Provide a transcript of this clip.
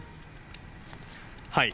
はい。